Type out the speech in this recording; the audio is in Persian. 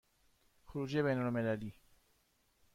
خروجی بین المللی